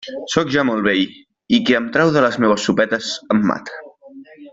Sóc ja molt vell, i qui em trau de les meues sopetes em mata.